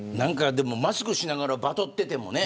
でも、マスクしながらバトっててもね。